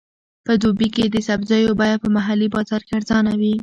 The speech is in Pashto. په دوبي کې د سبزیو بیه په محلي بازار کې ارزانه وي.